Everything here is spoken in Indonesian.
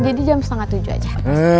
jadi jam setengah tujuh aja